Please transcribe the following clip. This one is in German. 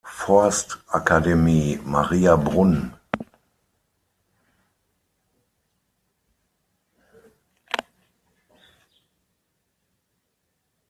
Forstakademie Mariabrunn.